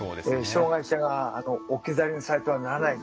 障害者が置き去りにされてはならない。